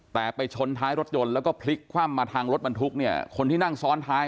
แล้วก็ถูกเหยียบซ้ำจนเสียชีวิตครับ